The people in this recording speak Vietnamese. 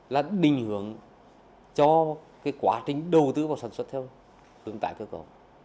là đình hưởng cho quá trình đầu tư vào sản xuất theo hướng tài cơ cổ